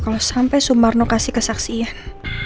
kalo sampe sumarno kasih kesaksian